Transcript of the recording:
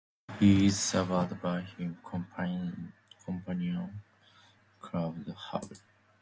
He is survived by his companion, Claude Hubert.